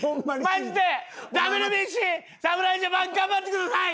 マジでＷＢＣ侍ジャパン頑張ってください！